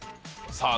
さあ